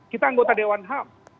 kita anggota dewan ham